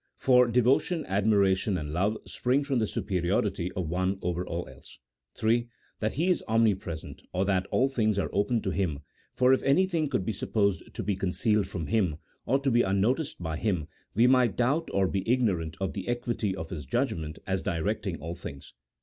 For devotion, admiration, and love spring from the superiority of one over all else. m. That He is omnipresent, or that all things are open, to Him, for if anything could be supposed to be concealed from Him, or to be unnoticed by Him, we might doubt or be ignorant of the equity of His judgment as directing all things.